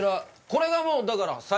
これがもうだから最初に。